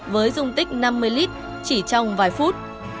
với dung tích năm mươi lít chỉ trong vài phút